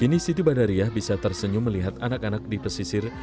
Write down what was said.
kini siti badariah bisa tersenyum melihat anak anak di pesisir